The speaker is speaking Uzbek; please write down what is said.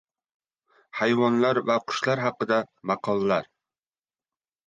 Hayvonlar va qushlar haqida maqollar.